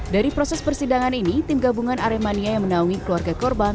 dari proses persidangan ini tim gabungan aremania yang menaungi keluarga korban